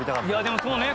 でもそうね。